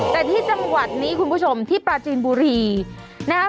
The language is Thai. แต่ที่จังหวัดนี้คุณผู้ชมที่ปราจีนบุรีนะครับ